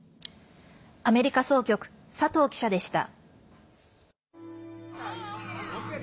アメリカ総局佐藤記者でした。